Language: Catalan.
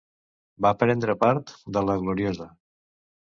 Va prendre part de la Gloriosa.